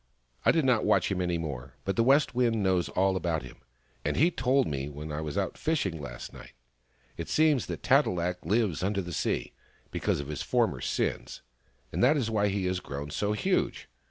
" I did not watch him any more. But the West Wind knows all about him, and he told me when I was out fishing last night. It seems that Tat e lak lives under the sea, because of his former sins, and that is why he has grown so huge.